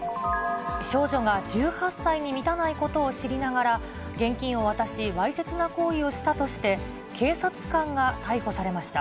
少女が１８歳に満たないことを知りながら、現金を渡し、わいせつな行為をしたとして、警察官が逮捕されました。